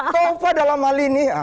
tova dalam hal ini